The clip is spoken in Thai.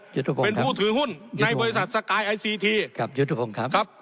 เป็นผู้ถือหุ้นในบริษัทสกายไอซีทีครับครับ